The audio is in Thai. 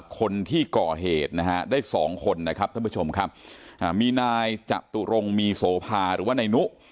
คนที่ก่อเหตุนะฮะได้สองคนนะครับท่านผู้ชมครับมีนายจตุรงมีโสภาหรือว่านายนุ